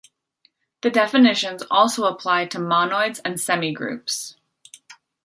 The definitions also apply to monoids and semigroups.